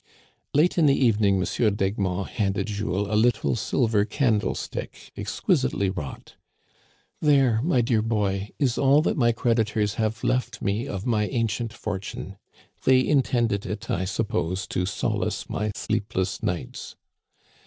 Late in the evening M. d'Egmont handed Jules a little silver candlestick exquisitely wrought. " There, my dear boy, is all that my creditors have left me of my ancient fortune. They intended it, I sup pose, to solace my sleepless nights.